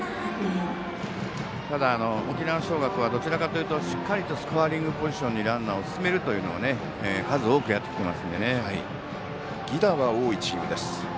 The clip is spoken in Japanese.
ただ沖縄尚学はどちらかというとしっかりスコアリングポジションにランナーを進めるということを犠打が多いチームです。